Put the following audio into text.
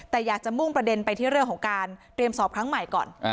แต่อยากจะมุ่งประเด็นไปที่เรื่องของการเตรียมสอบครั้งใหม่ก่อน